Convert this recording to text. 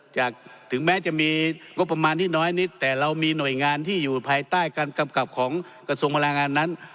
ถึงแม้จะมีงบประมาณที่น้อยนิดแต่เรามีหน่วยงานที่อยู่ภายใต้การกำกับของกระทรวงพลังงานนั้น